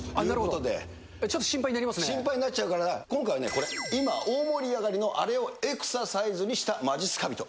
ちょっと心配にな心配になっちゃうから、今回はね、これ、今、大盛り上がりのアレをエクササイズにしたまじっすか人。